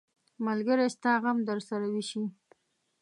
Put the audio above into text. ملګری ستا غم درسره ویشي.